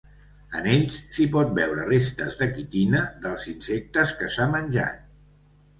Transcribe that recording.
En ells s'hi pot veure restes de quitina dels insectes que s'ha menjat.